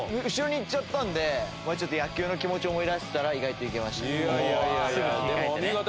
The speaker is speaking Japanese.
後ろに行っちゃったんで野球の気持ちを思い出したら意外といけましたね。